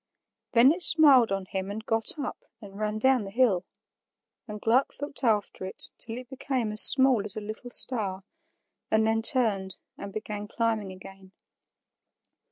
Then it smiled on him and got up and ran down the hill; and Gluck looked after it till it became as small as a little star, and then turned and began climbing again.